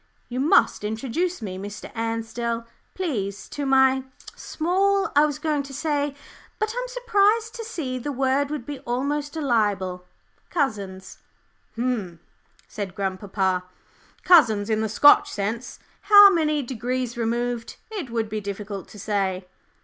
"You must introduce me, Mr. Ansdell, please, to my small, I was going to say, but I'm surprised to see the word would be almost a libel cousins." "Umph," said grandpapa, "'cousins,' in the Scotch sense; how many degrees removed, it would be difficult to say."